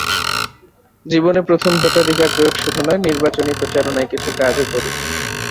জীবনে প্রথম ভোটাধিকার প্রয়োগ শুধু নয়, নির্বাচনী প্রচারণায় কিছু কাজও করি।